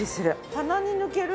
鼻に抜ける